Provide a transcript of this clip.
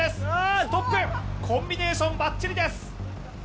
ストップ、コンビネーションばっちりです！